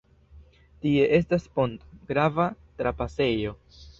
Tie estas ponto, grava trapasejo.